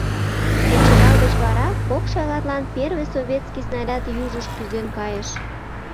Кечывал деч вара кок шагатлан первый советский снаряд южыш кӱзен кайыш.